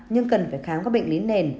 nhưng cần phải khám các bệnh lý nền